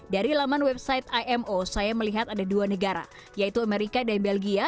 dari laman website imo saya melihat ada dua negara yaitu amerika dan belgia